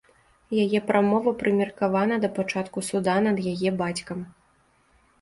Яе прамова прымеркавана да пачатку суда над яе бацькам.